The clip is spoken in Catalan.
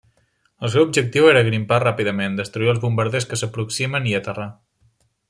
El seu objectiu era grimpar ràpidament, destruir els bombarders que s'aproximen, i aterrar.